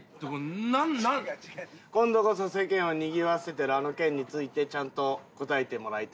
今度こそ世間をにぎわせてるあの件についてちゃんと答えてもらいたい。